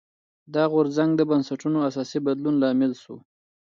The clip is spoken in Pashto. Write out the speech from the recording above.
دا غورځنګ د بنسټونو اساسي بدلون لامل شو.